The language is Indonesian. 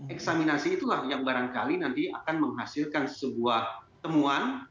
eksaminasi itulah yang barangkali nanti akan menghasilkan sebuah temuan